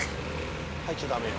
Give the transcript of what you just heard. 入っちゃダメよ。